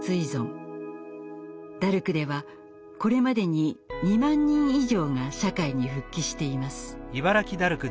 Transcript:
ダルクではこれまでに２万人以上が社会に復帰しています。